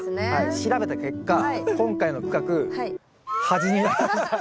調べた結果今回の区画端になりました。